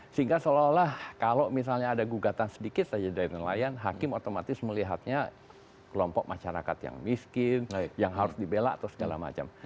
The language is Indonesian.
sehingga seolah olah kalau misalnya ada gugatan sedikit saja dari nelayan hakim otomatis melihatnya kelompok masyarakat yang miskin yang harus dibela atau segala macam